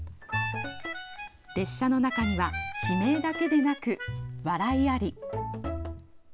列車の中には悲鳴だけでなく、笑いあり。